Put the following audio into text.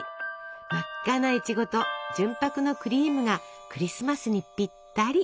真っ赤ないちごと純白のクリームがクリスマスにぴったり。